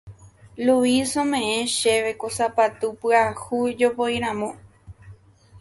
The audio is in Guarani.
Luis ome'ẽ chéve ko sapatu pyahu jopóiramo.